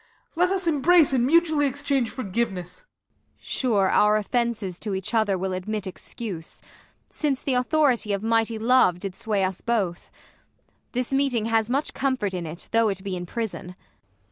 Let us embrace and mutually exchange Forgiveness ! Ang. Sure, our offences to each other will Admit excuse, since the authority of mighty love Did sway us both. This meeting has much com fort In it though it be in prison.